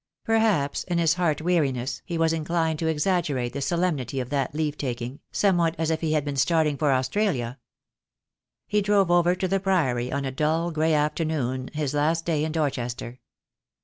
Perhaps in his heart weariness he was inclined to exaggerate the solemnity of that leave taking, somewhat as if he had been starting for Australia. He drove over to the Priory on a dull, grey afternoon, his last day in Dorchester.